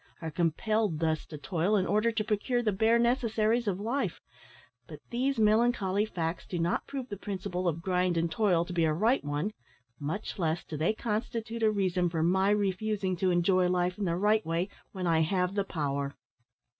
are compelled thus to toil in order to procure the bare necessaries of life; but these melancholy facts do not prove the principle of `grind and toil' to be a right one; much less do they constitute a reason for my refusing to enjoy life in the right way when I have the power."